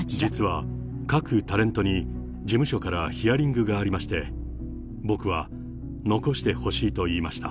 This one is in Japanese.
実は各タレントに、事務所からヒアリングがありまして、僕は残してほしいと言いました。